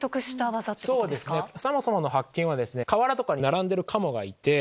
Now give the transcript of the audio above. そもそもの発見は河原とかに並んでるカモがいて。